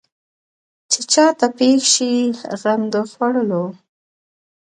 چې چا ته پېښ شي غم د خوړلو.